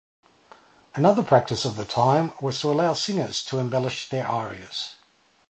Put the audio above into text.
Another practice of the time was to allow singers to embellish their arias.